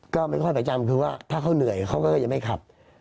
ก็ไม่ค่อยประจำคือว่าถ้าเขาเหนื่อยเขาก็ยังไม่ขับ